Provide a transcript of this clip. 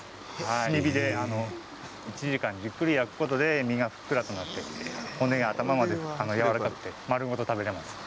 炭火で１時間じっくり焼くことで身がふっくらして骨や頭も、やわらかくなって丸ごと食べられます。